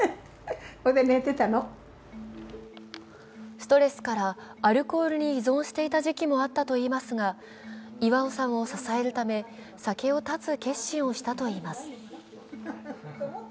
ストレスからアルコールに依存していた時期もあったといいますが、巌さんを支えるため、酒を断つ決心をしたといいます。